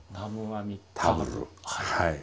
はい。